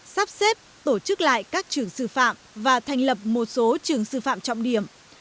sắp xếp tổ chức lại các trường sư phạm và thành lập một số trường sư phạm trọng điểm